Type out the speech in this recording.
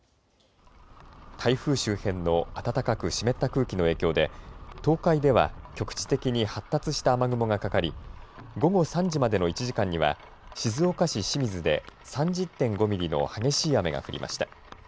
台風周辺の暖かく湿った空気の影響で東海では局地的に発達した雨雲がかかり、午後３時までの１時間には静岡市清水で３０．５ミリの激しい雨が降りました。